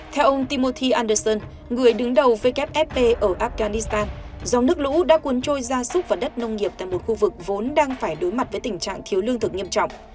theo ông timorti anderson người đứng đầu wfp ở afghanistan do nước lũ đã cuốn trôi ra súc và đất nông nghiệp tại một khu vực vốn đang phải đối mặt với tình trạng thiếu lương thực nghiêm trọng